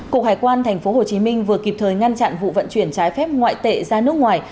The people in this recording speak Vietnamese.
cục hải quan tp hcm vừa kịp thời ngăn chặn vụ vận chuyển trái phép ngoại tệ ra nước ngoài